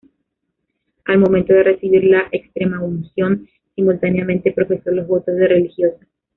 Al momento de recibir la extremaunción simultáneamente profesó los votos de religiosa.